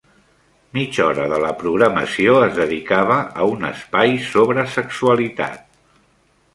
Mitja hora de la programació es dedicava a un espai sobre sexualitat.